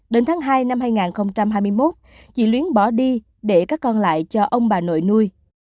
đến tháng hai năm hai nghìn hai mươi một chị luyến bỏ đi để các con lại cho ông bà nội nuôi